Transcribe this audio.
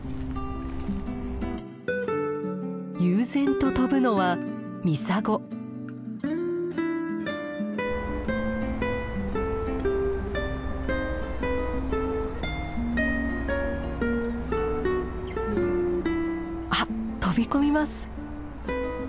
悠然と飛ぶのはあっ飛び込みます！